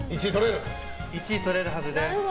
１位とれるはずです。